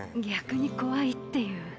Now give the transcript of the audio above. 逆に怖いっていう。